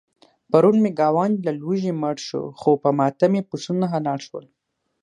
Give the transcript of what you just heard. پرون مې ګاونډی له لوږې مړ شو، خو په ماتم یې پسونه حلال شول.